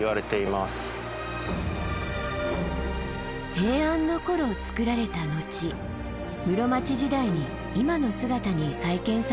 平安の頃造られた後室町時代に今の姿に再建されたそう。